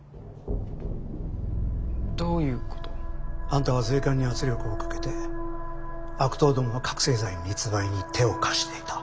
あんたは税関に圧力をかけて悪党どもの覚せい剤密売に手を貸していた。